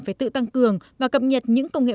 phải tự tăng cường và cập nhật những công nghệ